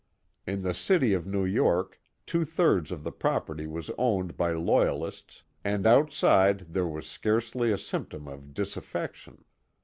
In the city of New York, two thirds of the property was owned by Loyalists, and outside there was scarcely a symptom of disaffection.